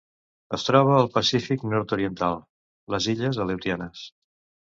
Es troba al Pacífic nord-oriental: les Illes Aleutianes.